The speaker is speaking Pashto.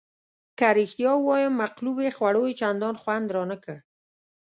که رښتیا ووایم مقلوبې خوړو یې چندانې خوند رانه کړ.